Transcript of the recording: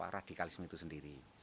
radikalisme itu sendiri